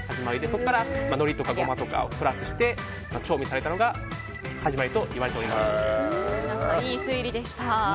そこから、のりとかゴマとかをプラスして調味されたのがいい推理でした。